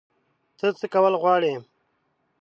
ته څه کول غواړې؟